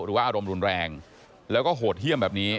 หรือว่าอารมณ์รุนแรงแล้วก็โหดเทียม